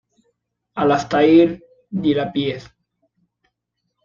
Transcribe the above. Alastair Gillespie.